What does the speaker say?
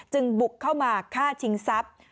บุกเข้ามาฆ่าชิงทรัพย์